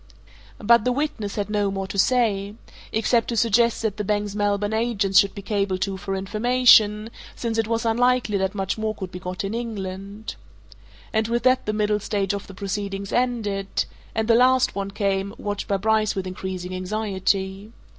But the witness had no more to say except to suggest that the bank's Melbourne agents should be cabled to for information, since it was unlikely that much more could be got in England. And with that the middle stage of the proceedings ended and the last one came, watched by Bryce with increasing anxiety.